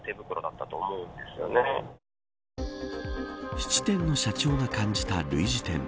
質店の社長が感じた類似点。